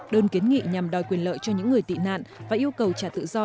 đơn kiến nghị nhằm đòi quyền lợi cho những người tị nạn và yêu cầu trả tự do